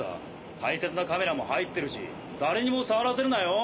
大切なカメラも入ってるし誰にも触らせるなよ。